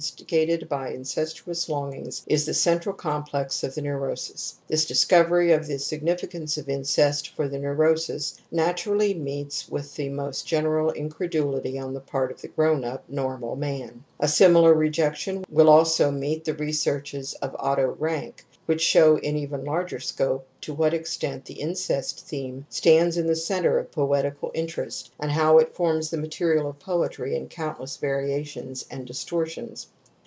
tigated byia^^^^ longings is the coitral complex of the neurosis. Vihis dis covery of the significance of incest for the neurosis naturally meets with the most general incredulity on the part of the grown up, normal man ; a similar rejection will also meet the researches of Otto Rank, which show in even larger scope to what extent the incest theme stands in the centre of poetical interest and how it forms the material of poetry in countless variations and distortions.